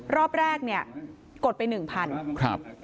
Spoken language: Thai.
รอบแรกกดไป๑๐๐๐พร้อมครับ